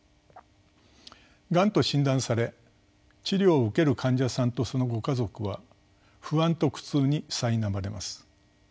がんと診断され治療を受ける患者さんとそのご家族は不安と苦痛にさいなまれます。